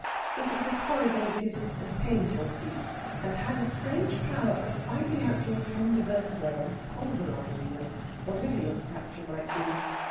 It was a corrugated and painful seat, and had a strange power of finding out your tender vertebræ and pulverising them, whatever your stature might be.